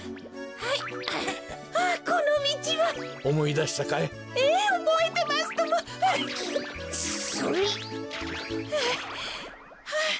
はあはあ。